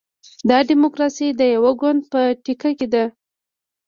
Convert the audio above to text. دا ډیموکراسي د یوه ګوند په ټیکه کې ده.